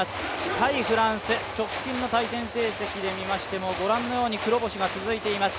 対フランス直近の対戦成績で見ましてもご覧のように黒星が続いています。